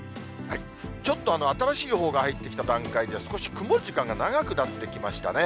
ちょっと新しい予報が入ってきた段階で、少し曇る時間が長くなってきましたね。